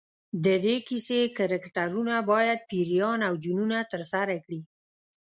د دې کیسې کرکټرونه باید پیریان او جنونه ترسره کړي.